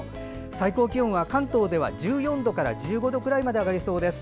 最高気温は、関東では１４度から１５度くらいまで上がりそうです。